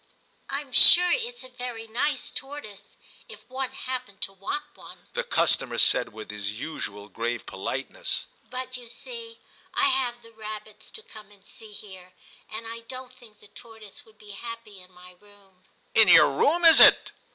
* Tm sure it's a very nice tortoise, if one happened to want one,' the customer said, with his usual grave politeness ;* but you see I have the rabbits to come and see here, and I don t think the tortoise would be happy in my room '* In yer room, is it